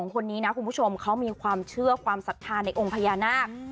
คนนี้นะคุณผู้ชมเขามีความเชื่อความศรัทธาในองค์พญานาค